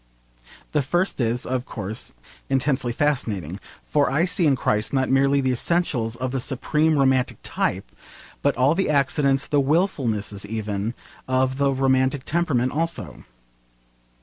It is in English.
The first is, of course, intensely fascinating, for I see in Christ not merely the essentials of the supreme romantic type, but all the accidents, the wilfulnesses even, of the romantic temperament also.